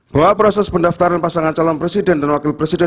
bahwa proses pendaftaran pasangan calon presiden dan wakil presiden